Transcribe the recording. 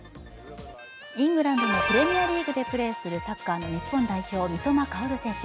イングランドのプレミアリーグでプレーするサッカーの日本代表・三笘薫選手。